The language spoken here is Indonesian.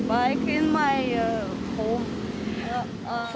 tapi di motor saya di rumah saya